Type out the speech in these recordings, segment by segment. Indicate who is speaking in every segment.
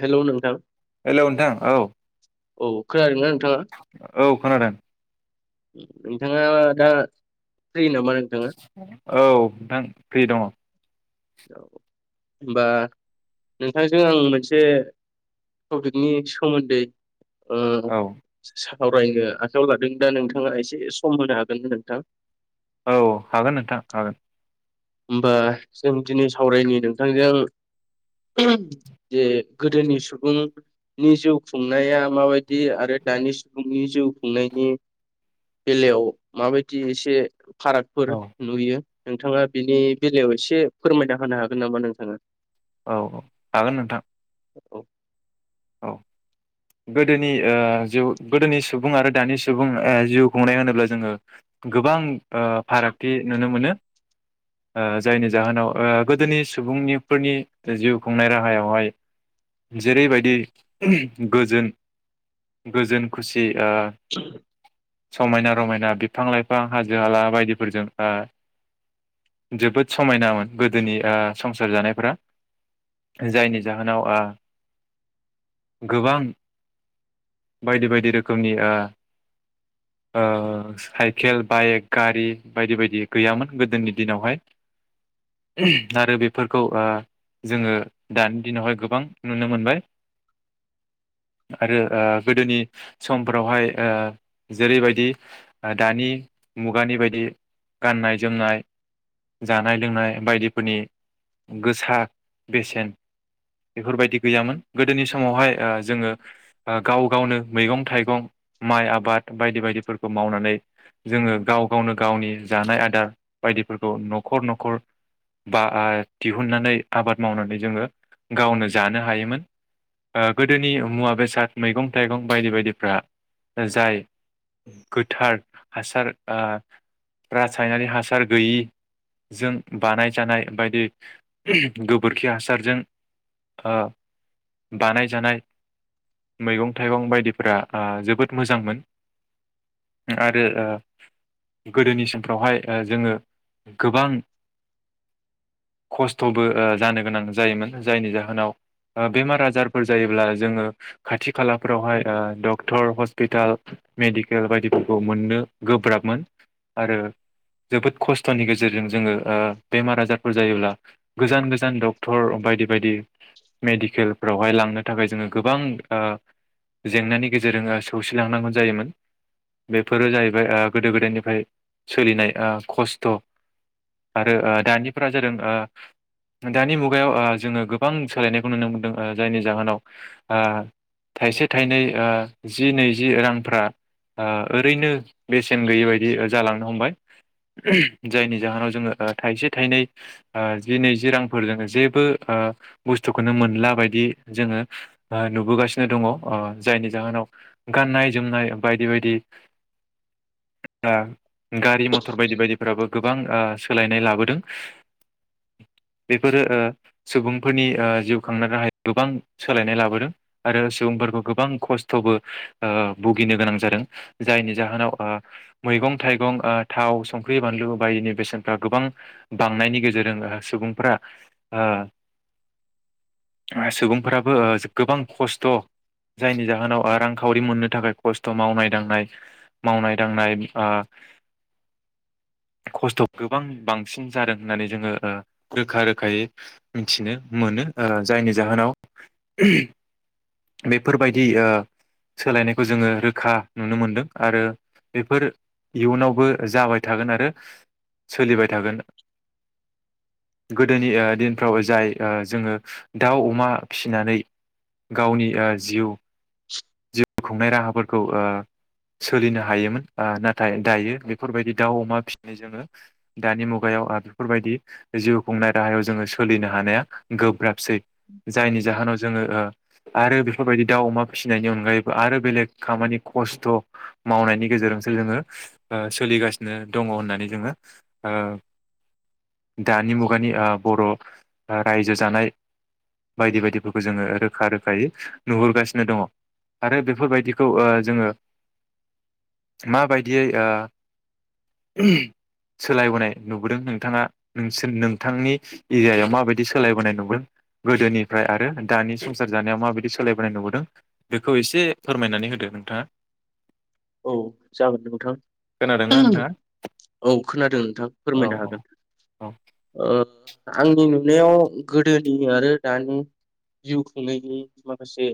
Speaker 1: हेल' नोंथां।
Speaker 2: हेल' नोंथां औ।
Speaker 1: औ खोनादों ना
Speaker 2: औ खोनादों।
Speaker 1: नोंथाङा दा फ्रि नामा नों
Speaker 2: औ नोंथां फ्रि दङ।
Speaker 1: होनबा नोंथांजों आं मोनसे टपिकनि सोमोन्दै ओम
Speaker 2: औ
Speaker 1: सा सावरायनो आखायाव लादों दा नोंथाङा एसे सम होनो हागोन नोंथां?
Speaker 2: औ हागोन नोंथां हागोन।
Speaker 1: होमबा जों दिनै सावरायनि नोंथांजों जे गोदोनि जे सुबुंनि जिउ खुंनाया माबायदि आरो दानि सुबुंनि जिउ खुंनायनि बेलायाव माबायदि एसे फारागफोर
Speaker 2: औ
Speaker 1: नुयो। नोंथाङा बिनि बेलायाव एसे फोरमायना होनो हागोन नामा नोंथाङा?
Speaker 2: औ औ हागोन नोंथां।
Speaker 1: औ
Speaker 2: औ गोदोनि ओ जिउ गोदोनि सुबुं आरो दानि सुबुं ओ जिउ खुंनाय होनोब्ला जोङो गोबां ओ फारागथि नुनो मोनो ओ जायनि जाहोनाव ओ गोदोनि सुबुंनिफोरनि जिउ खुंनाय राहायावहाय जेरैबायदि गोजोन गोजोन खुसि दा समायना-रमायना बिफां-लाइफां हाजो-हाला बायदिफोरजों आ जोबोद समायनामोन गोदोनि ओ संसार जानायफोरा जायनि जाहोनाव आ गोबां बायदि बायदि रोखोमनि ओ ओ साइकेल बाइक गारि बायदि बायदि गैयामोन गोदोनि दिनावहाय आरो बेफोरखौ ओ जोङो दानि दिनावहाय गोबां नुनो मोनबाय आरो ओ गोदोनि समफोरावहाय ओ जेरैबायदि ओ दानि मुगानि बायदि गाननाय जोमनाय जानाय लोंनाय बायदिफोरनि गोसा बेसेन बेफोरबायदि गैयामोन गोदोनि समावहाय ओ जोङो ओ गाव गावनो मैगं-थाइगं माइ आबाद बायदि बायदिफोरखौ मावनानै जोङो गाव गावनो गावनि जानाय आदार बायदिफोरखौ न'खर न'खर बा आ दिहुननानै आबाद मावनानै जोङो गावनो जानो हायोमोन। ओ गोदोनि मुवा बेसाद मैगं थाइगं बायदि बायदिफ्रा जाय गोथार हासार ओ रासायनारि हासार गैयिजों बानायजानाय बायदि गोबोरखि हासारजों ओ बानाय जानाय मैगं-थाइगं बायदिफोरा आ जोबोद मोजांमोन आरो ओ गोदोनि समफ्रावहाय ओ जोङो गोबां खस्थ'बो ओ जानो गोनां जायोमोन जायनि जाहोनाव ओ बेमार आज जारफोर जायोब्ला जोङो खाथि खालाफ्रावहाय ओ डक्टर हस्पिटाल मेडिकेल बायदिफोरखौ मोननो गोब्राबमोन आरो जोबोद खस्थ'नि गेजेरजों जोङो ओ बेमार आजारफोर जायोब्ला गोजान गोजान डक्टर बायदि बायदि मेडिकेल फोरावहाय लांनो थाखाय जोङो गोबां ओ जेंनानि गेजेरजों ओ सौसिलांनांगौ जायोमोन बेफोरो जाहैबाय ओ गोदो गोदायनिफ्राय सोलिनाय ओ खस्थ' आरो ओ दानिफोरा जादों ओ दानि मुगायाव ओ जोङो गोबां सोलायनायखौ नुनो मोनदों। ओ जायनि जाहोनाव आ थाइसे थाइनै ओ जि नैजि रांफ्रा बा ओरैनो बेस सेन गैयै बायदि ओ जालांनो हमबाय जायनि जाहोनाव जोङो ओ थाइसे थाइनै ओ जि नैजि रांफोरजों जेबो ओ बुस्थुखौनो मोनला बाय दि जोङो बा नुबोगासिनो दङ अ जायनि जाहोनाव गाननाय जोमनाय बायदि बायदि। दा गारि मथर बायदि बायदिफ्राबो गोबां ओ सोलायनाय लाबोदों बेफोरो ओ सुबुंफोरनि ओ जिउ खांनोजानाय गोबां सोलायनाय लाबोदों आरो सुबुंफोरखौ गोबां खस्थ'बो ओ भुगिनो गोनां जादों जायनि जाहोनाव ओ मैगं थाइगं ओ थाव संख्रि बानलु बायदिनि बेसेनफ्रा गोबां बांनायनि गेजेरजों ओ सुबुंफ्रा ओ सुबुंफोराबो ओ जो गोबां खस्थ' जायनि जाहोनाव ओ रांखावरि मोननो थाखाय खस्थ' मावनाय दांनाय मावनाय दांनाय ओ खस्थ' गोबां बांसिन जादों होननानै जोङो ओ रोखा रोखायै मिनथिनो मोनो ओ जायनि जाहोनाव बेफोरबायदि ओ सोलायनायखौ जोङो रोखा नुनो मोनदों आरो बेफोर इयुनावबो ओ जाबाय थागोन आरो सोलिबाय थागोन गोदोनि ओ दिनफ्राव जाय ओ जोङो दाउ अमा फिसिनानै गावनि ओ जिउ जिउ खुंनाय राहाफोरखौ ओ सोलिनो हायोमोन ओ नाथाय दायो बेफोरबायदि दाउ अमा फिसिनाय जोङो दानि मुगायाव ओ बेफोरबायदि जिउ खुंनाय राहायाव जोङो सोलिनो हानाया गोब्राबसै। जायनि जाहोनाव जोङो ओ आरो बेफोरबायदि दाउ अमा फिसिनायनि अनगायैबो आरो बेलेग खामानि खस्थ' मावनायनि गेजेरजोंसो जोङो ओ सोलिगासिनो दङ होननानै जोङो ओ दानि मुगानि ओ बर' बा रायजो जानाय बायदि बायदिफोरखौ जोङो रोखा रोखायै नुहुरगासिनो दङ आरो बेफोरबायदिखौ ओ जोङो माबायदियै ओ सोलायबोनाय नुबोदों नोंथाङा नोंसोर नोंथांनि एरियायाव माबायदि सोलायबोनाय नुबोदों गोदोनिफ्राय आरो दानि संसार जानायाव माबायदि सोलायबोनाय नुबोदों बेखौ एसे फोरमायनानै होदो नोंथाङा
Speaker 1: औ जागोन नोंथां
Speaker 2: खोनादोंना नोंथाङा
Speaker 1: औ खोनादों नोंथां
Speaker 2: औ
Speaker 1: फोरमायनो हागोन
Speaker 2: औ
Speaker 1: ओ आंनि नुनायाव गोदोनि आरो दानि जिउ खुंनायनि माखासे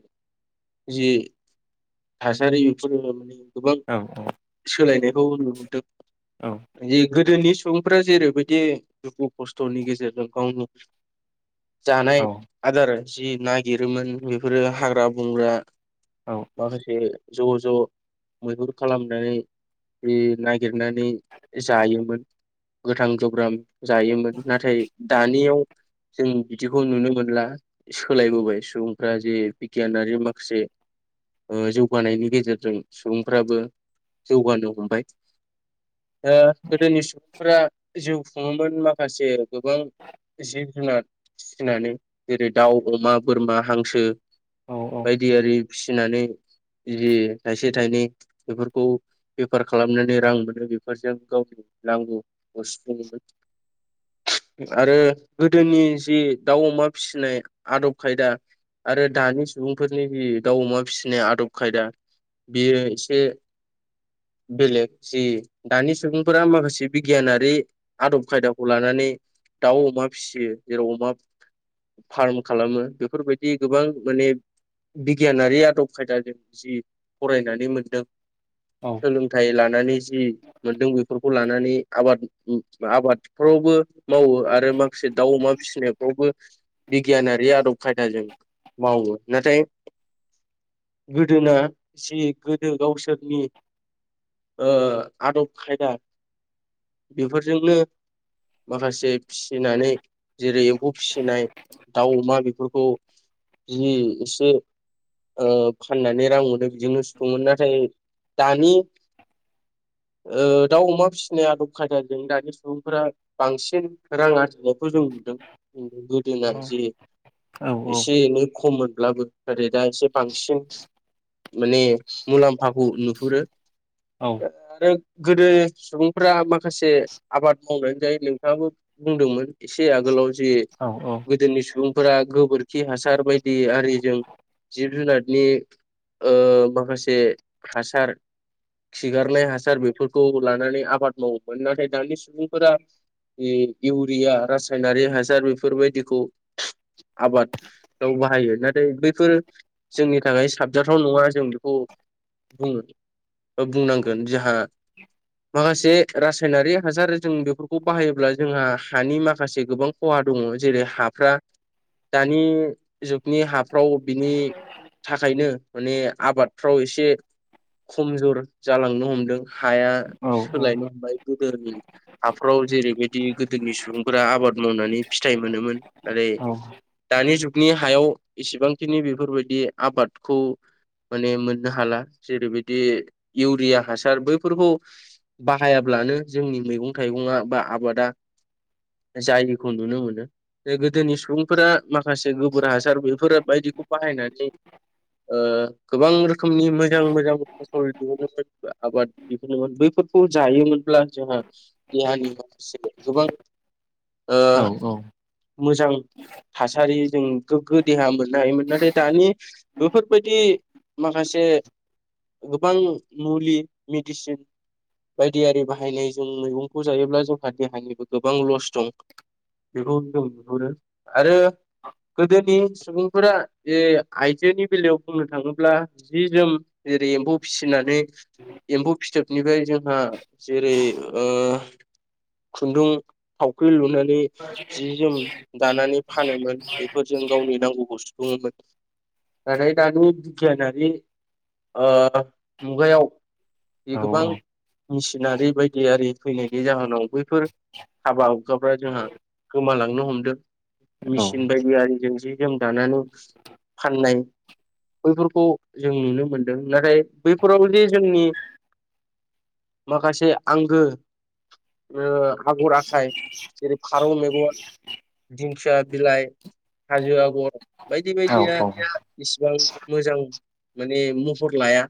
Speaker 1: जि थासारि बेफोरो माने गोबां
Speaker 2: औ
Speaker 1: सोलायनायखौ नुहुरदों
Speaker 2: औ
Speaker 1: माने गोदोनि सुबुंफ्रा जेरैबायदि दुखु खस्थ'नि गेजेरजों गावनि जानाय
Speaker 2: औ
Speaker 1: आदार जि नागिरोमोन बेफोरो हाग्रा बंग्रा
Speaker 2: औ
Speaker 1: माखासे ज' ज' मैहुर खालामनानै बे नागिरनानै जायोमोन गोथां गोब्राम जायोमोन नाथाय दानियाव जों बिदिखौ नुनो मोनला सोलायबोबाय सुबुंफ्रा जे बिगियानारि माखासे ओ जौगानायनि गेजेरजों सुबुंफ्राबो जौगानो हमबाय ओ गोदोनि सुबुं फ्रा जिउ खुङोमोन माखासे गोबां जिब जुनाद फिसिनानै जेरै दाउ अमा बोरमा हांसो
Speaker 2: औ
Speaker 1: बायदियारि फिसिनानै जि थायसे फिथाइनि बेफोरखौ बेफार खालामनानै रां मोनो बेफोरजों गावनि नांगौखौ सुफु़ंओ आरो गोदोनि जि दाउ अमा फिसिनाय आदब खायदा आरो दानि सुबुंफोरनि बि दाउ अमा फिसिनाय आदब खायदा बेयो एसे बेलेग जि दानि सुबुंफोरा माखासे बिगियानारि आदब खायदाखौ लानानै दाउ अमा फिसियो जेराव अमा फार्म खालामो बेफोरबायदि गोबां माने बिगियानारि आदब खायदाजों जि फरायनानै मोनदों
Speaker 2: औ
Speaker 1: सोलोंथाइ लानानै जि मोनदों बेफोरखौ लानानै आबाद आबादफ्रावबो मावो आरो माखासे दाउ अमा फिसिनायफ्रावबो बिगियानारि आदब खायदाजों मावो। नाथाय गोदोना जि गोदो गावसोरनि ओ आदब खायदा बेफोरजोंनो माखासे फिसिनानै जेरै एम्फौ फिसिनाय दाउ अमा बेफोरखौ जि एसे ओ फाननानै रां मोनो‌ दिनो सुफु‌ंओमोन नाथाय दानि ओ दाउ अमा फिसिनाया आदब खायदाजों दानि सुबुंफोरा बांसिन रां आरजिदों दावखौ जों नुदों
Speaker 2: औ
Speaker 1: गोदोना जे एसे एनै खममोन लाबो ओरै दा एसे बांसिन माने मुलाम्फाखौ नुहुरो आरो गोदो सुबुंफ्रा माखासे आबाद मावनानै जायो नोंथाङाबो बुंदोंमोन एसे आगोलाव जि गोदोनि सुबुं फोरा गोबोरखि हासार बायदि आरिजों जिब जुनारनि ओ माखासे हासार खिगारनाय हासार बेफोरखौ लानानै आबाद मावोमोन। नाथाय दानि सुबुंफोरा इउरिया रासायनारि हासार बेफोरबायदिखौ आबादाव बाहायो नाथाय दे बैफोर जोंनि खानाय साब गजाथाव नङा जों बेखौ बुंओ अ बुंनांगोन जोंहा माखासे रासायनारि हासार जों बेफोरखौ बाहायोब्ला जोंहा हानि माखासे गोबां खहा दङ। जेरै हाफ्रा दानि जुगनि हाफ्रा फ्राव बिनि थाखायनो माने आबादफ्राव एसे खमजुर जालांनो हमदों हाया सोलायनो हमबाय। गोदोनि हाफ्राव जेरैबायदि गोदोनि सुबुंफोरा आबाद मावनानै फिथाइ मोनोमोन आरे दानि जुगनि हायाव इसेबांखिनि बेफोरबायदि आबादखौ माने मोननो हाला जेरैबायदि इउरिया हासार बैफोरखौ बाहायाब्लानो जोंनि मैगं थाइगङा बा आबादा जायिखौ नुनो मोनो गोदोनि सुबुंफोरा माखासे गोबोर हासार बेफोर बायदिखौ बाहायनानै ओ गोबां रोखोमनि मोजां मोजां फसल दिहुनोमोन आबाद दिहुनोमोन बैफोरखौ जायोमोनब्ला जोंहा देहानि माखासे गोबां ओ मोजां थासारि जों गोग्गो देहा मोननो हायोमोन नाथाय दानि बेफोरबायदि माखासे गोबां मुलि मेडिसिन बायदियारि बाहायनाय जों मैगंखौ जायोब्ला जोंहा देहानिबो गोबां लस दं बेखौ जों नुहुरो आरो गोदोनि सुबुंफोरा जे आइजोनि बेलायाव बुंनो थाङोब्ला जि जोम जेरै एम्फौ फिसिनानै एम्फौ फिथोबनिफ्राय जोंहा जेरै ओ खुन्दुं थावख्रि लुनानै नै जि जोम दानानै फानोमोन बेफोरजों गावनि नांगौखौ सुफुङोमोन नाथाय दानि बिगियानारि ओ मुगायाव जि गोबां मेसिनारि बायदि आरि फैनायनि जाहोनाव बैफोर हाबा हुखाफ्रा जोंहा गोमालांनो हमदों मेसिन बायदि आरिजों जि-जोम दानानै फाननाय बैफोरखौ जों नुनो मोनदों नाथाय बैफोरावबोदि जोंनि माखासे आंगो ओ आगर आखाइ जेरै फारौ मेगन, दिंखिया बिलाइ, हाजो आगर बायदि बायदिया इसिबां मोजां माने महर लाया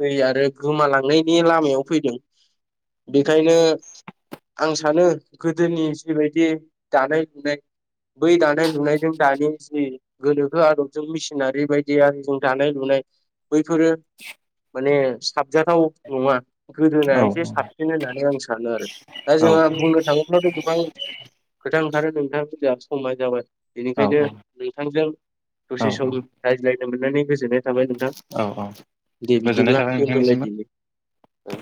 Speaker 1: फै आरो गोमालांनायनि लामायाव फैदों बेखायनो आं सानो गोदोनि जिबायदि दानाय लुनाय बै दानाय लुनायजों दानि जि गोनोखो आदबजों मिसि नारि बायदि आरो जों थानाय लुनाय बैफोरो माने साबजाथाव नङा गोदोना एसे साबसिन होननानै आं सा थाङो आरो दा जोंहा बुंनो थाङोब्लाथ' गोबां खोथा ओंखारो नोंथां जाहा समा जाबाय बेनिखायनो बिथांजों दसे
Speaker 2: औ
Speaker 1: सम रायज्लायनो मोननानै गोजोननाय थाबाय नोंथां
Speaker 2: औ औ
Speaker 1: दे
Speaker 2: गोजोननाय
Speaker 1: बिदिब्ला
Speaker 2: थाबाय नोंथांनिसिमबो
Speaker 1: दोनथ'लायदिनि औ